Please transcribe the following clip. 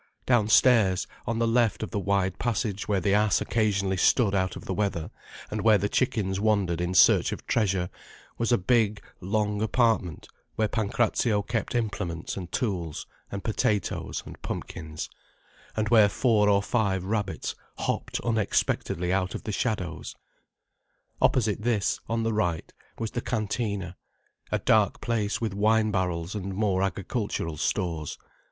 Downstairs, on the left of the wide passage where the ass occasionally stood out of the weather, and where the chickens wandered in search of treasure, was a big, long apartment where Pancrazio kept implements and tools and potatoes and pumpkins, and where four or five rabbits hopped unexpectedly out of the shadows. Opposite this, on the right, was the cantina, a dark place with wine barrels and more agricultural stores.